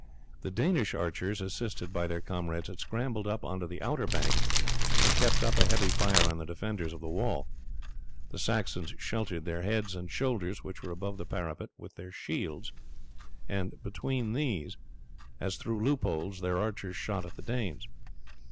The Danish archers, assisted by their comrades, had scrambled up on to the outer bank and kept up a heavy fire on the defenders of the wall. The Saxons sheltered their heads and shoulders which were above the parapet with their shields; and between these, as through loopholes, their archers shot at the Danes.